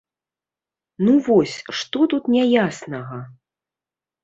Ну вось, што тут няяснага?!